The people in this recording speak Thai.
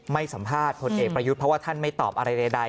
ไม่สัมภาษณ์ผลเอกประยุทธ์เพราะว่าท่านไม่ตอบอะไรใด